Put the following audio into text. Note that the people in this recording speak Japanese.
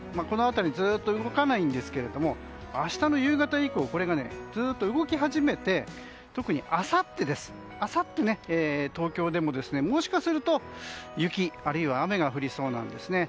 この辺りずっと動かないんですけども明日の夕方以降これがずっと動き始めて特にあさって東京でも、もしかすると雪あるいは雨が降りそうなんです。